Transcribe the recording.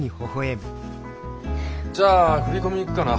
じゃあ振り込み行くかな。